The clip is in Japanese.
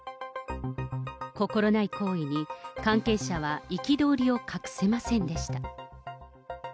心ない行為に関係者は憤りを隠せませんでした。